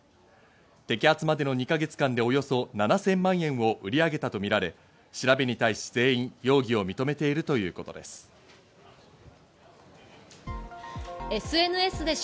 摘発までの２か月間でおよそ７０００万円を売り上げたとみられ、調べに対し全員容疑を認めているということです。